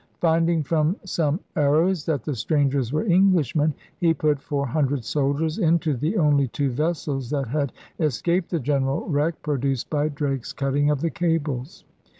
Finding from some arrows that the strangers were Englishmen, he put four hun dred soldiers into the only two vessels that had escaped the general wreck produced by Drake's cutting of the cables.